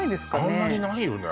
あんまりないよね